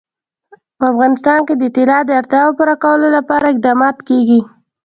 په افغانستان کې د طلا د اړتیاوو پوره کولو لپاره اقدامات کېږي.